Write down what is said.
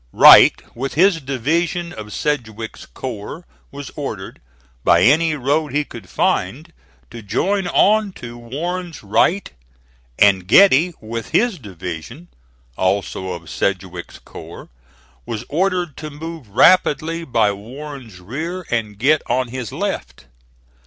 Wright, with his division of Sedgwick's corps, was ordered, by any road he could find, to join on to Warren's right, and Getty with his division, also of Sedgwick's corps, was ordered to move rapidly by Warren's rear and get on his left.